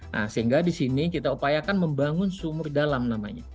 nah sehingga di sini kita upayakan membangun sumur dalam namanya